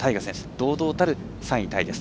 堂々たる３位タイです。